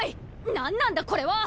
何なんだこれは！